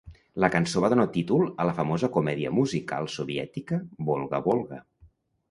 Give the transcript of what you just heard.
La cançó va donar títol a la famosa comèdia musical soviètica "Volga-Volga".